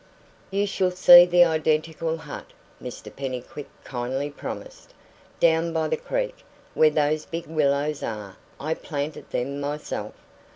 "You shall see the identical hut," Mr Pennycuick kindly promised. "Down by the creek, where those big willows are I planted them myself.